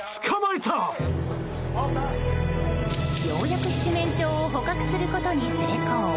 ようやく七面鳥を捕獲することに成功。